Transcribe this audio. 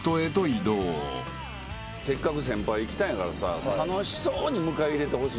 せっかく先輩来たんやからさ楽しそうに迎え入れてほしい。